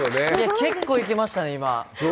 結構いけましたね、今。